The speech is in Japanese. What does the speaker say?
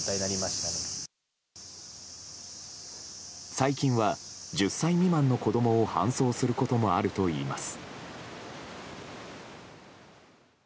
最近は１０歳未満の子供を搬送することもあるといいます。